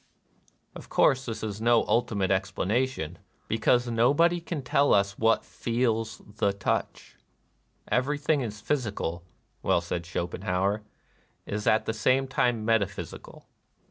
Of course this is no ultimate expla nation, because nobody can tell us what feels the touch, " Everything physical," well said Schopenhauer, "is at the same time meta physical."